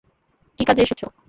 কী কাজে এসেছ?